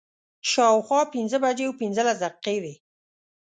شا او خوا پنځه بجې پنځلس دقیقې وې.